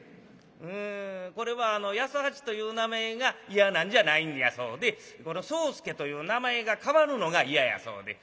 これは八十八という名前が嫌なんじゃないんやそうで宗助という名前が変わるのが嫌やそうで。